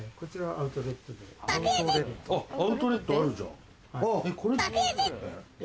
アウトレットあるじゃん。